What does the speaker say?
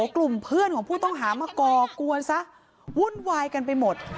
กลุ่มเพื่อนของผู้ต้องหามาก่อกวนซะวุ่นวายกันไปหมด